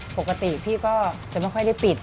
ปกติพี่ก็จะไม่ค่อยได้ปิด